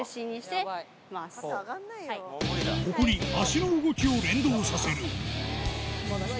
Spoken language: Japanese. ここに足の動きを連動させる。